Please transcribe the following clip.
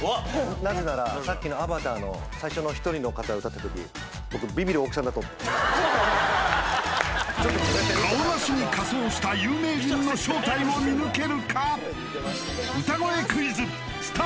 なぜならさっきのアバターの最初の１人の方歌ってたとき僕カオナシに仮装した有名人の正体を見抜けるか？